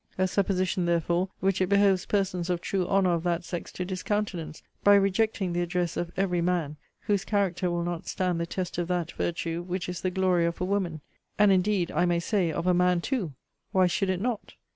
A supposition, therefore, which it behoves persons of true honour of that sex to discountenance, by rejecting the address of every man, whose character will not stand the test of that virtue which is the glory of a woman: and indeed, I may say, of a man too: why should it not?